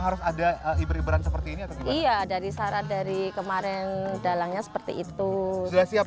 harus ada hibur hiburan seperti ini iya dari syarat dari kemarin dalangnya seperti itu sudah siap